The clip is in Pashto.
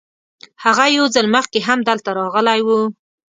هغه یو ځل مخکې هم دلته راغلی و.